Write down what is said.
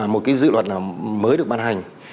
một cái dự luật nào mới được ban hành